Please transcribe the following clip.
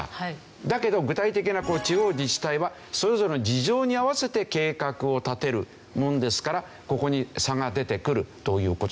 だけど具体的な地方自治体はそれぞれの事情に合わせて計画を立てるものですからここに差が出てくるという事ですね。